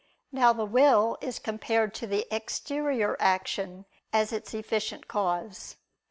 Now the will is compared to the exterior action, as its efficient cause.